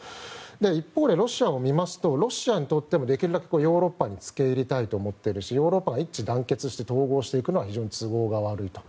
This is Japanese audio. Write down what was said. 一方で、ロシアを見ますとロシアにとってもできるだけヨーロッパにつけ入りたいと思っているしヨーロッパが一致団結して統合していくのは非常に都合が悪いと。